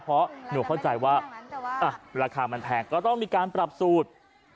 เพราะหนูเข้าใจว่าราคามันแพงก็ต้องมีการปรับสูตร